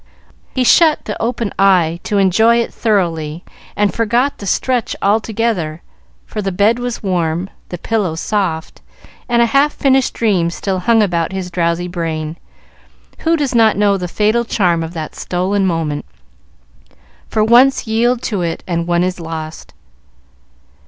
He shut the open eye to enjoy it thoroughly, and forgot the stretch altogether, for the bed was warm, the pillow soft, and a half finished dream still hung about his drowsy brain. Who does not know the fatal charm of that stolen moment for once yield to it, and one is lost.